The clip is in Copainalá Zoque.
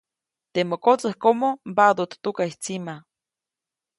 Temä kotsäjkomo mbaʼduʼt tukaʼy tsima.